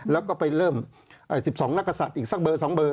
แล้วก็ไปเริ่ม๑๒นักศัตริย์อีกสักเบอร์๒เบอร์